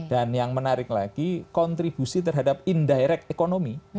dan yang menarik lagi kontribusi terhadap indirect economy